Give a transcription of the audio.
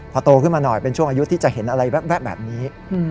พอโตขึ้นมาหน่อยเป็นช่วงอายุที่จะเห็นอะไรแว๊บแบบนี้